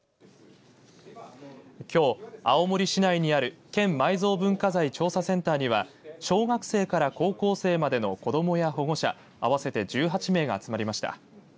きょう、青森市内にある県埋蔵文化財調査センターには小学生から高校生までの子どもや保護者合わせて１８名が集まりました。